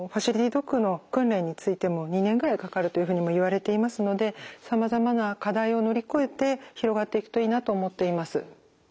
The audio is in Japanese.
ドッグの訓練についても２年ぐらいかかるというふうにもいわれていますのでさまざまな課題を乗り越えて広がっていくといいなと思っています。